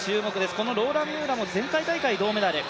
こちらのローラ・ミューアも前回大会銅メダル。